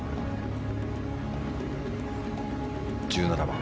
１７番。